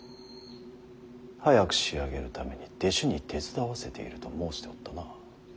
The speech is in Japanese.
早く仕上げるために弟子に手伝わせていると申しておったな。